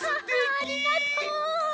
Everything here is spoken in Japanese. ありがとう！